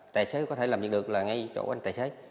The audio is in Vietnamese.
tài xế có thể làm việc được là ngay chỗ anh tài xế